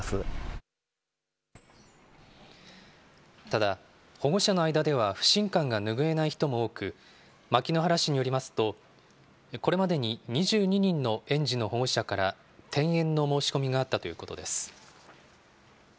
ただ、保護者の間では不信感が拭えない人も多く、牧之原市によりますと、これまでに２２人の園児の保護者から、転園の申し込みがあったということです。